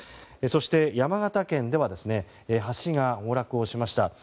そして山形県では橋が崩落しました。